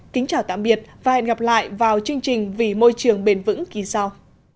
kính chào tạm biệt và hẹn gặp lại vào chương trình vì môi trường bền vững kỳ sau